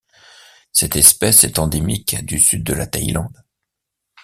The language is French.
Cette espèce est endémique du Sud de la Thaïlande.